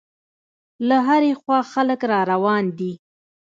له هرې خوا خلک را روان دي.